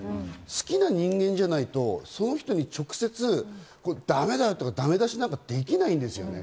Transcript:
好きな人間じゃないとその人に直接ダメだよとか、ダメ出しなんかできないですよね。